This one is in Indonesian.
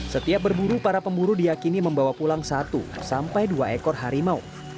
setiap berburu para pemburu diakini membawa pulang satu sampai dua ekor harimau